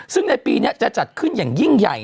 ซึ่งในปีนี้จะจัดขึ้นอย่างยิ่งใหญ่